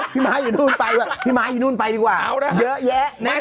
พี่ม้าอยู่นู่นไปดีกว่าพี่ม้าอยู่นู่นไปดีกว่าเยอะแยะแน่นอน